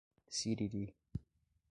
Siriri